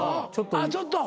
あっちょっと。